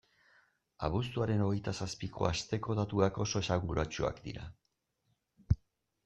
Abuztuaren hogeita zazpiko asteko datuak oso esanguratsuak dira.